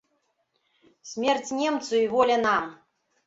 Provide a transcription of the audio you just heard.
Смерць немцу і воля нам!